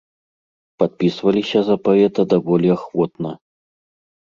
Падпісваліся за паэта даволі ахвотна.